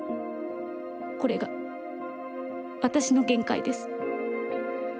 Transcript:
これが私の限界です。